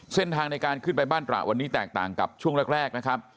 เส้นทางในการขึ้นไปบ้านตระวันนี้แตกต่างกับช่วงแรกนะครับ